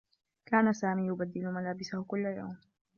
كان سامي يبدّل ملابسه كلّ يوم.